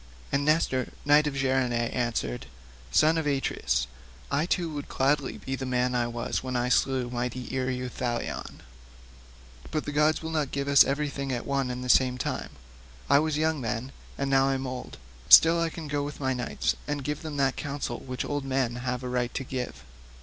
And Nestor, knight of Gerene, answered, "Son of Atreus, I too would gladly be the man I was when I slew mighty Ereuthalion; but the gods will not give us everything at one and the same time. I was then young, and now I am old; still I can go with my knights and give them that counsel which old men have a right to give.